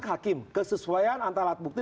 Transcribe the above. hakim kesesuaian antara alat bukti